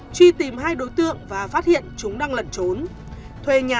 truy tìm hai đối tượng và phát hiện chúng đang lẩn trốn